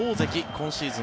今シーズン